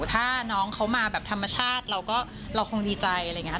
ถ้าน้องเขามาแบบธรรมชาติเราก็เราคงดีใจอะไรอย่างนี้ค่ะ